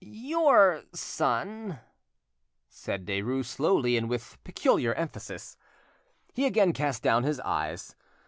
"Your son!—" said Derues slowly and with peculiar emphasis. He again cast down his eyes.